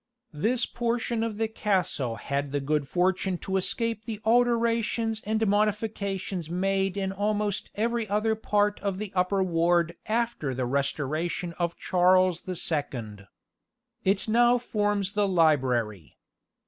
This portion of the castle had the good fortune to escape the alterations and modifications made in almost every other part of the upper ward after the restoration of Charles the Second. It now forms the library.